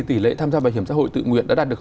tỷ lệ tham gia bảo hiểm xã hội tự nguyện đã đạt được